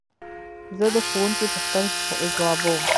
زه د ښوونکي پوښتنې ځوابوم.